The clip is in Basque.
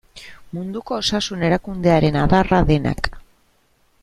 Munduko Osasun Erakundearen adarra denak.